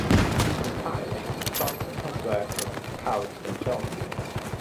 Since retiring, Johnson has worked as a scout for Chelsea.